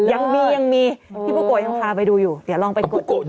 ยังมีพี่ปุ๊กโกยังพาไปดูอยู่เดี๋ยวลองไปกด